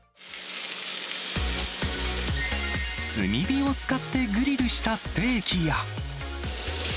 炭火を使ってグリルしたステーキや。